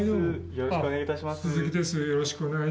よろしくお願いします